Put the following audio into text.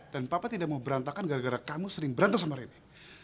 dan papa tidak mau berantakan gara gara kamu sering berantem sama reni